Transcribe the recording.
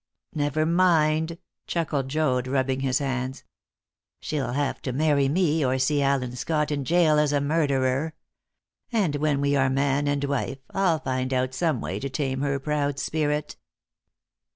"Never mind," chuckled Joad, rubbing his hands. "She'll have to marry me, or see Allen Scott in gaol as a murderer. And when we are man and wife, I'll find out some way to tame her proud spirit."